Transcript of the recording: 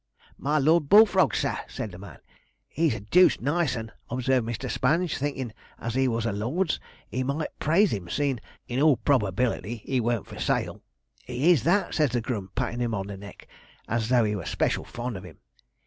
"My Lor' Bullfrog's, sir," said the man. "He's a deuced nice 'un," observed Mr. Sponge, thinkin', as he was a lord's, he might praise 'im, seein', in all probability, he weren't for sale. "He is that," said the grum, patting him on the neck, as though he were special fond on him.